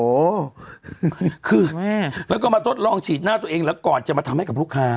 โอ้โหคือแม่แล้วก็มาทดลองฉีดหน้าตัวเองแล้วก่อนจะมาทำให้กับลูกค้า